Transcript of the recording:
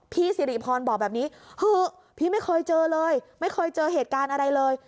สิริพรบอกแบบนี้เถอะพี่ไม่เคยเจอเลยไม่เคยเจอเหตุการณ์อะไรเลย